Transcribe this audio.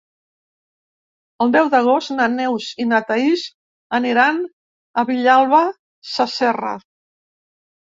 El deu d'agost na Neus i na Thaís aniran a Vilalba Sasserra.